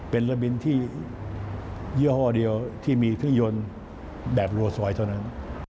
เป็นระบินที่ยี่ห้อเดียวที่มีเครื่องยนต์แบบรัวซอยเท่านั้น